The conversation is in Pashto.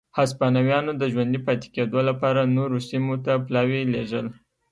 هسپانویانو د ژوندي پاتې کېدو لپاره نورو سیمو ته پلاوي لېږل.